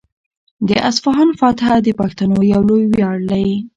د اصفهان فتحه د پښتنو یو لوی ویاړ دی.